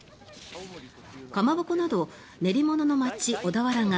かまぼこなど練り物の街、小田原が